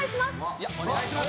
いやお願いします